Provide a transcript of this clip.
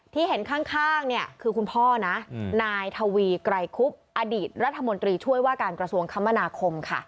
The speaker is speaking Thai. เห็นข้างเนี่ยคือคุณพ่อนะนายทวีไกรคุบอดีตรัฐมนตรีช่วยว่าการกระทรวงคมนาคมค่ะ